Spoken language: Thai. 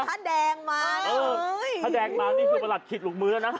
ถ้าแดงมาถ้าแดงมานี่คือประหลักขีดหลุกมือนะ